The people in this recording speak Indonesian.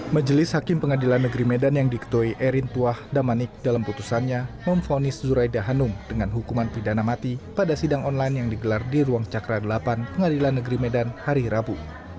majelis hakim pengadilan negeri medan yang diketuai erin tuah damanik dalam putusannya memfonis zuraida hanum dengan hukuman pidana mati pada sidang online yang digelar di ruang cakra delapan pengadilan negeri medan hari rabu